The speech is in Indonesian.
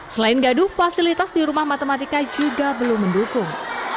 selain gaduh fasilitas di rumah matematika juga belum mendukung